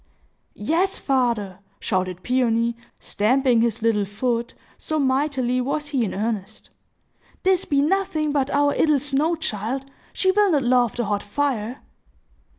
"Yes, father," shouted Peony, stamping his little foot, so mightily was he in earnest, "this be nothing but our 'ittle snow child! She will not love the hot fire!"